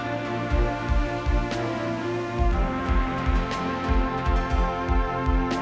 ทุกคนพร้อมแล้วขอเสียงปลุ่มมือต้อนรับ๑๒สาวงามในชุดราตรีได้เลยค่ะ